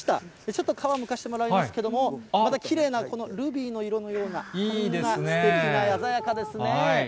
ちょっと皮むかせてもらいますけれども、またきれいな、このルビーの色のような、こんなすてきな、鮮やかですね。